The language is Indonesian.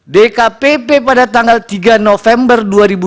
dkpp pada tanggal tiga november